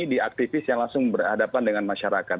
di aktivis yang langsung berhadapan dengan masyarakat